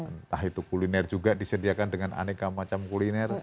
entah itu kuliner juga disediakan dengan aneka macam kuliner